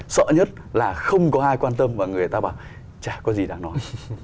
sợ nhất là không có ai quan tâm và người ta bảo chả có gì đáng nói